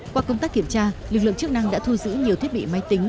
qua công tác kiểm tra lực lượng chức năng đã thu giữ nhiều thiết bị máy tính